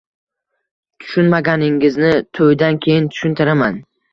Tushunmaganingizni toʻydan keyin tushuntiraman.